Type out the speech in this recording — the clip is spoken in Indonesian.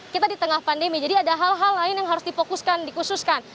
kita di tengah pandemi jadi ada hal hal lain yang harus difokuskan dikhususkan